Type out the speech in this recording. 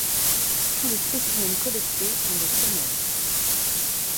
Tous les spécimens collectés sont des femelles.